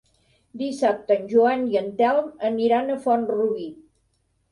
Dissabte en Joan i en Telm aniran a Font-rubí.